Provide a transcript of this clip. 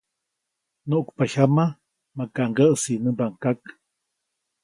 ‒nuʼkpa jyama, ¡maka ŋgäʼsi!‒ nämbaʼuŋ kak.